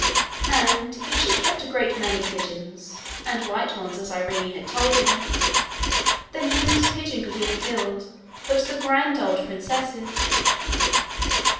And if she kept a great Many pigeons and white ones, as Irene had told him, then whose pigeon could he have killed but the grand old princess's?